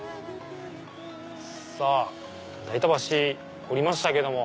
さぁ代田橋降りましたけども。